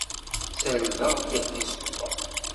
Ssardeɣ-d tizewwa.